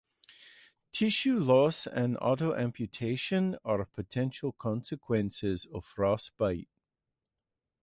Tissue loss and autoamputation are potential consequences of frostbite.